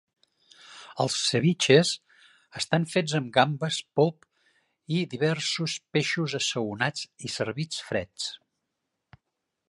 Els cebiches estan fets amb gambes, polp i diversos peixos assaonats i servits freds.